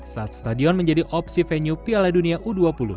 saat stadion menjadi opsi venue piala dunia u dua puluh